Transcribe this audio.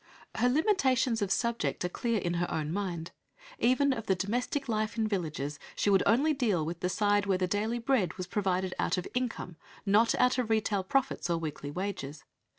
Her limitations of subject are clear to her own mind. Even of the "domestic life in villages" she would only deal with the side where the daily bread was provided out of income, not out of retail profits or weekly wages.